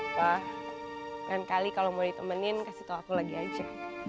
mungkin kalau mau ditemenin kasih tau aku lagi aja